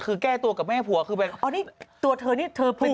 คือแก้ตัวกับแม่ผัวคือไปอ๋อนี่ตัวเธอนี่เธอพูด